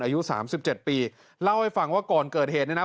อายุสามสิบเจ็ดปีเล่าให้ฟังว่าก่อนเกิดเหตุเนี่ยนะ